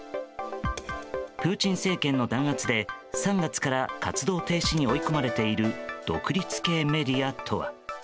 プーチン政権の弾圧で３月から活動停止に追い込まれている独立系メディアとは？